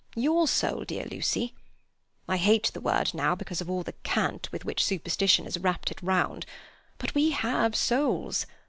Your soul, dear Lucy! I hate the word now, because of all the cant with which superstition has wrapped it round. But we have souls.